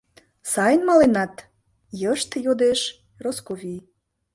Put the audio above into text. — Сайын маленат? — йышт йодеш Росковий.